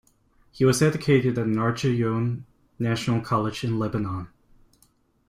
He was educated at Narj' Oyoun National College in Lebanon.